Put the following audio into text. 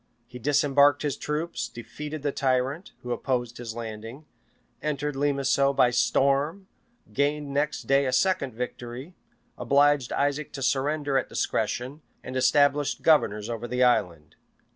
He disembarked his troops; defeated the tyrant, who opposed his landing; entered Limisso by storm; gained next day a second victory; obliged Isaac to surrender at discretion; and established governors over the island.